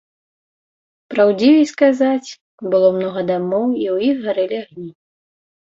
Праўдзівей сказаць, было многа дамоў, і ў іх гарэлі агні.